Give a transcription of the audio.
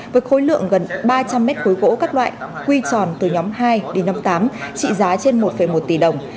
với khối lượng gần ba trăm linh mét khối gỗ các loại quy tròn từ nhóm hai đến năm mươi tám trị giá trên một một tỷ đồng